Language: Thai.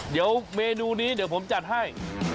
เดี๋ยวเมนูนี้ผมจัดให้